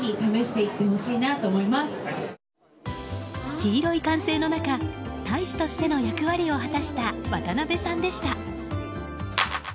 黄色い歓声の中、大使としての役割を果たした渡辺さんでした。